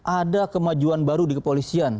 ada kemajuan baru di kepolisian